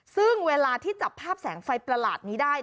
ซึ่งเวลาที่จับภาพแสงไฟประหลาดนี้ได้